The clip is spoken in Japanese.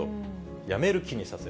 やめる気にさせる。